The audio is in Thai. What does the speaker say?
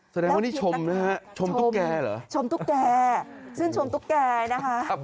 แสดงว่านี่ชมนะฮะชมตุ๊กแกเหรอชมตุ๊กแกชื่นชมตุ๊กแกนะคะ